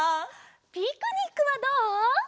ピクニックはどう？